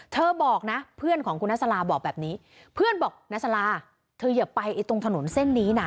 เธอบอกนะเพื่อนของคุณนัสลาบอกแบบนี้เพื่อนบอกนาซาลาเธออย่าไปตรงถนนเส้นนี้นะ